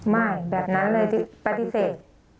ไม่แบบนั้นเลยปฏิเสธ